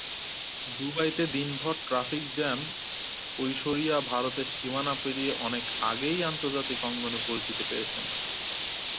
দুবাইতে দিনভর ট্রাফিক জ্যামঐশ্বরিয়া ভারতের সীমানা পেরিয়ে অনেক আগেই আন্তর্জাতিক অঙ্গনে পরিচিতি পেয়েছেন।